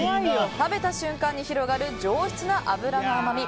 食べた瞬間に広がる上質な脂の甘み。